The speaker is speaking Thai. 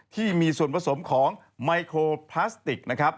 ที่มีส่วนผสมของไมโครพลาสติก